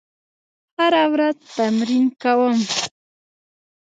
هره ورځ تمرین کوم.